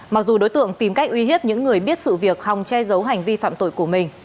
mặc dù đối tượng tìm cách uy hiếp những người biết sự việc hòng che giấu hành vi phạm tội của mình